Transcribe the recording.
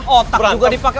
otak juga dipake